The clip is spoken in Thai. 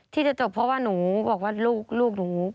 ที่จะจบเพราะว่าหนูบอกว่าลูกหนู